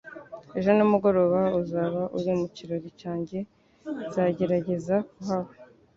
Ejo nimugoroba uzaba uri mu kirori cyanjye Nzagerageza kuhaba